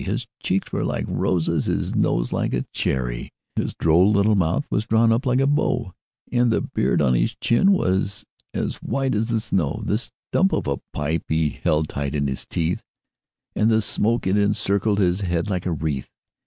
His cheeks were like roses, his nose like a cherry; His droll little mouth was drawn up like a bow, And the beard on his chin was as white as the snow; The stump of a pipe he held tight in his teeth, And the smoke, it encircled his head like a wreath.